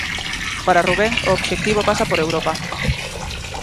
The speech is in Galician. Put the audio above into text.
Para Rubén, o obxectivo pasa por Europa.